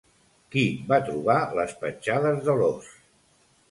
Qui va trobar les petjades de l'os?